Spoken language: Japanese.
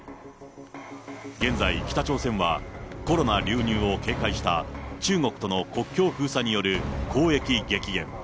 現在、北朝鮮はコロナ流入を警戒した、中国との国境封鎖による交易激減。